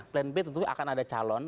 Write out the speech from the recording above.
plan b tentu akan ada calon